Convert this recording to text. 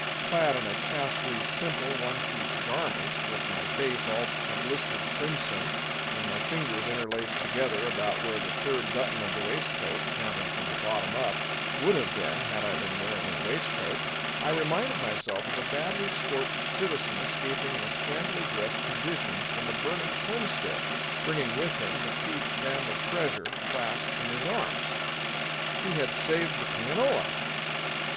Clad in a chastely simple one piece garment, with my face all a blistered crimson and my fingers interlaced together about where the third button of the waistcoat, counting from the bottom up, would have been had I been wearing any waistcoat, I reminded myself of a badly scorched citizen escaping in a scantily dressed condition from a burning homestead bringing with him the chief family treasure clasped in his arms. He had saved the pianola!